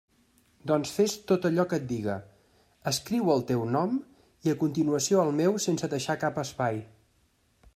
Doncs fes tot allò que et diga: escriu el teu nom i a continuació el meu sense deixar cap espai.